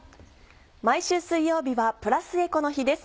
毎週水曜日はプラスエコの日です。